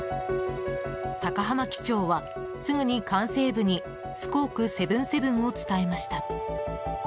高濱機長は、すぐに管制部にスコーク７７を伝えました。